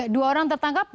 dua orang tertangkap